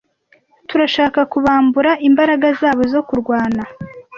Turashaka kubambura imbaraga zabo zo kurwana.